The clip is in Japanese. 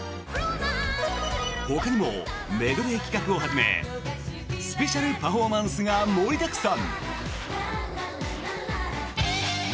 ほかにもメドレー企画をはじめスペシャルパフォーマンスが盛りだくさん！